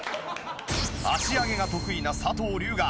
足上げが得意な佐藤龍我。